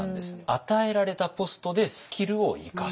与えられたポストでスキルを生かす。